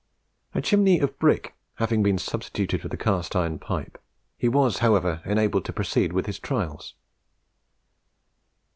A chimney of brick having been substituted for the cast iron pipe, he was, however, enabled to proceed with his trials.